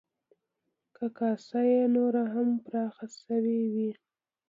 که کاسه یې نوره هم پراخه شوې وی،